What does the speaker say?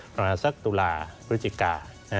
ประมาณสักตุลาพฤศจิกา